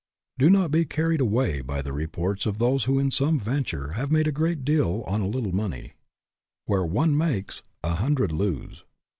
Do not be carried away by the reports of those who in some ven ture have made a great deal on a little money, Where one makes, a hundred lose.